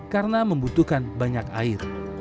karena membutuhkan banyak air